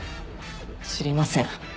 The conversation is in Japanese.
知りません。